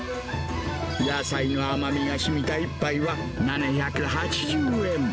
野菜の甘みがしみた１杯は、７８０円。